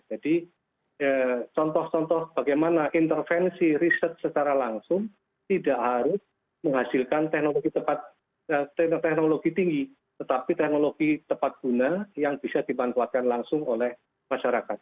jadi contoh contoh bagaimana intervensi riset secara langsung tidak harus menghasilkan teknologi tepat teknologi tinggi tetapi teknologi tepat guna yang bisa dimanfaatkan langsung oleh masyarakat